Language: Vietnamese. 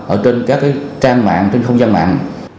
ở trên các trang mạng trên không gian mạng